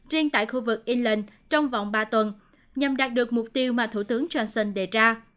riêng tại khu vực england trong vòng ba tuần nhằm đạt được mục tiêu mà thủ tướng johnson đề ra